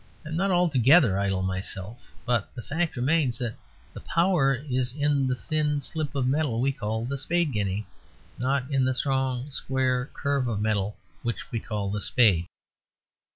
I am not altogether idle myself; but the fact remains that the power is in the thin slip of metal we call the Spade Guinea, not in the strong square and curve of metal which we call the Spade.